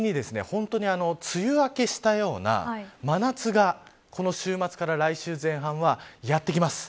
本当に梅雨明けしたような真夏がこの週末から来週前半はやってきます。